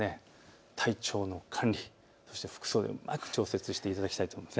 体調の管理、そして服装でうまく調節していただきたいと思います。